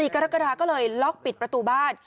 กรกฎาก็เลยล็อกปิดประตูบ้าน